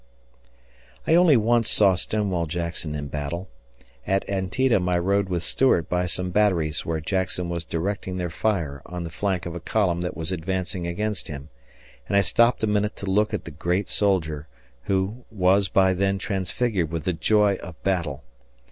I only once saw Stonewall Jackson in battle. At Antietam I rode with Stuart by some batteries where Jackson was directing their fire on the flank of a column that was advancing against him, and I stopped a minute to look at the great soldier who was then transfigured with the joy of battle.